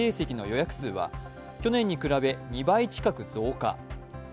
約数は去年に比べ２倍近く増加。